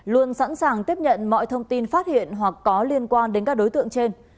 luôn sẵn sàng tiếp nhận mọi thông tin phát hiện hoặc có liên quan đến các đối tượng trên